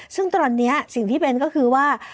ซึ่งตอนนี้สิ่งที่เป็นก็คือว่า